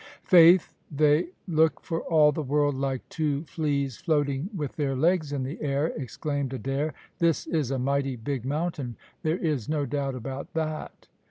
"Faith, they look for all the world like two fleas floating with their legs in the air," exclaimed Adair; "this is a mighty big mountain, there is no doubt about that."